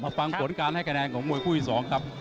มาฟังกฎการณ์ให้คะแนนของมวยผู้อีก๒ครับ